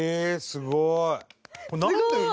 すごい！